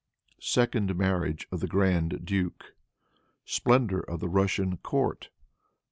Second Marriage of the Grand Duke. Splendor of the Russian Court.